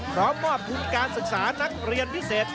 พร้อมมอบภูมิการศึกษานักเรียนพิเศษ